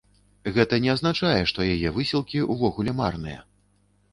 Гэта не азначае, што яе высілкі ўвогуле марныя.